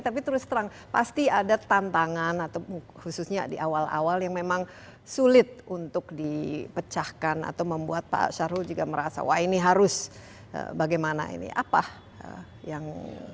tapi terus terang pasti ada tantangan atau khususnya di awal awal yang memang sulit untuk dipecahkan atau membuat pak syahrul juga merasa wah ini harus bagaimana ini apa yang